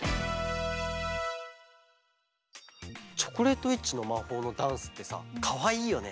「チョコレートウィッチの魔法」のダンスってさかわいいよね。